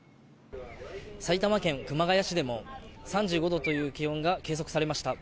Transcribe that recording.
埼玉県熊谷市でも３５度という気温が計測されました。